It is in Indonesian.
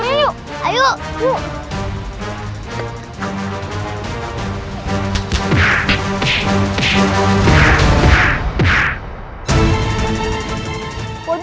aa itu pasti san